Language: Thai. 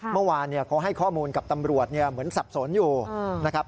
เมื่อวานเขาให้ข้อมูลกับตำรวจเหมือนสับสนอยู่นะครับ